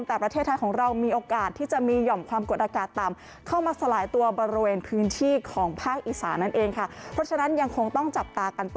แต่ประเทศไทยของเรามีโอกาสที่จะมีหย่อมความกดอากาศต่ำ